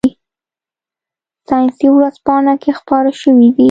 ساینسي ورځپاڼه کې خپاره شوي دي.